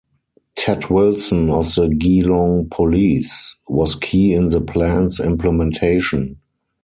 Ted Wilson of the Geelong police was key in the plan's implementation.